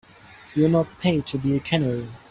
You're not paid to be a canary.